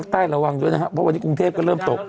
ฐานละวางด้วยนะเพราะวันนี้กรุงเทพฯก็เริ่มตก